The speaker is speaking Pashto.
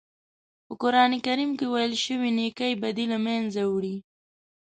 په قرآن کریم کې ویل شوي نېکۍ بدۍ له منځه وړي.